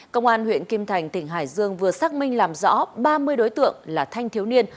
công an huyện kim thành tỉnh hải dương vừa xác minh làm rõ ba mươi đối tượng là thanh thiếu niên